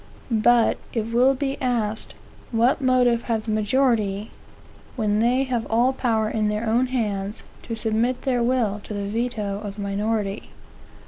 But, it will be asked, what motive have the majority, when they have all power in their own hands, to submit their will to the veto of the minority?